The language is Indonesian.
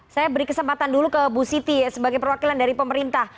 saya beri kesempatan dulu ke bu siti sebagai perwakilan dari pemerintah